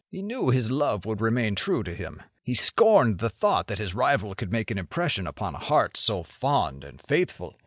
He knew his love would remain true to him. He scorned the thought that his rival could make an impression upon a heart so fond and faithful.